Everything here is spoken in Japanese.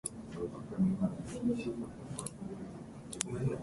あなたと過ごすなら後悔はありません